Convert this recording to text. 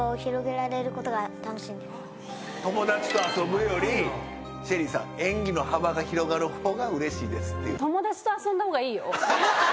友達と遊ぶよりＳＨＥＬＬＹさん演技の幅が広がるほうがうれしいですっていう。